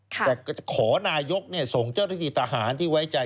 แต่ขอนายกส่งเจ้าทฤษฐานที่ไว้ใจ